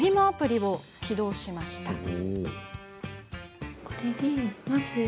アプリを起動しました。